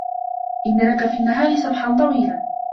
إِنَّ لَكَ فِي النَّهارِ سَبحًا طَويلًا